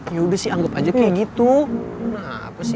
yaudah sih anggap aja kayak gitu kenapa sih